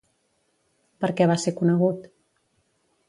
Per què va ser conegut?